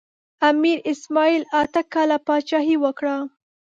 امیر اسماعیل اته کاله پاچاهي وکړه.